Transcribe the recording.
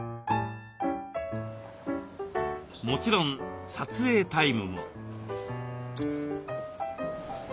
もちろん撮影タイムも。